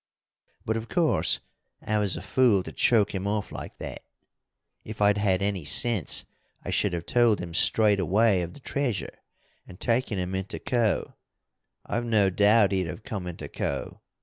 "But, of course, I was a fool to choke him off like that. If I'd had any sense I should have told him straight away of the treasure and taken him into Co. I've no doubt he'd have come into Co.